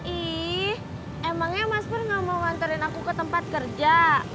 ih emangnya mas pur nggak mau nganterin aku ke tempat kerja